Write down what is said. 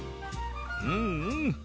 うんうん！